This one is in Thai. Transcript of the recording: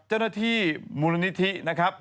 เจ้าหน้าที่มูลนิธินะครับ